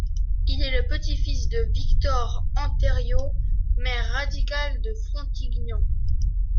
Il est le petit-fils de Victor Anthérieu, maire radical de Frontignan.